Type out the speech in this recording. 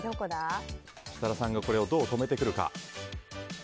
設楽さんがどう止めてくるか。